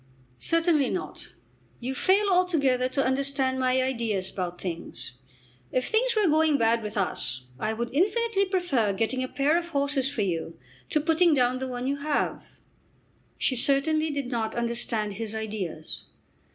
"Certainly not. You fail altogether to understand my ideas about things. If things were going bad with us, I would infinitely prefer getting a pair of horses for you to putting down the one you have." She certainly did not understand his ideas.